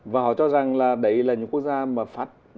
và họ cho rằng là đấy là những quốc gia mà phát